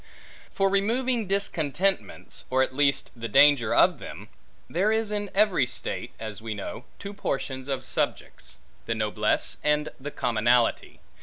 For removing discontentments, or at least the danger of them; there is in every state (as we know) two portions of subjects; the noblesse and the commonalty.